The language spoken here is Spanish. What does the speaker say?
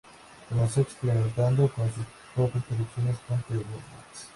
Comenzó experimentando con sus propias producciones con The Roots.